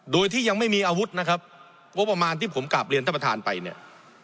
โดยที่ยังไม่มีอาวุธนะครับงบประมาณที่ผมกลับเรียนท่านประธานไปเนี่ย